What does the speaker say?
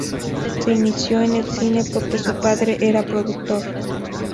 Se inició en el cine porque su padre era productor.